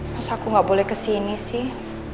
masa aku nggak boleh kesini sih